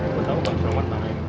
kau tahu bang soma mana ya